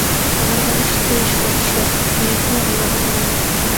আমার বয়স ত্রিশ বৎসর, আমি এখনও বিবাহ করি নাই।